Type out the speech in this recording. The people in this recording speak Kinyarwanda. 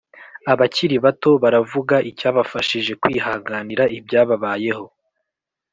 Abakiri bato baravuga icyabafashije kwihanganira ibyababayeho